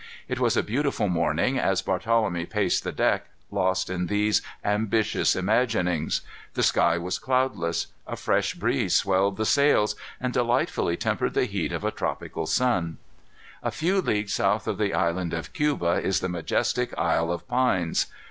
It was a beautiful morning, as Barthelemy paced the deck, lost in these ambitious imaginings. The sky was cloudless. A fresh breeze swelled the sails, and delightfully tempered the heat of a tropical sun. A few leagues south of the Island of Cuba is the majestic Isle of Pines.